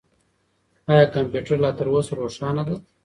آیا کمپیوټر لا تر اوسه روښانه دی؟